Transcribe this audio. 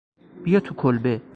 بیا تو کلبه